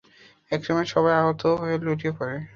এক সময় সবাই আহত হয়ে লুটিয়ে পড়ে।